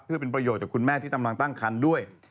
เพื่อเป็นประโยชน์กับคุณแม่ที่กำลังตั้งคันด้วย